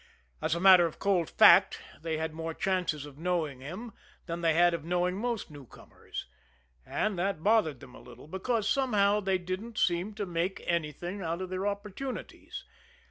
As a matter of cold fact, they had more chances of knowing him than they had of knowing most new comers; and that bothered them a little, because, somehow, they didn't seem to make anything out of their opportunities.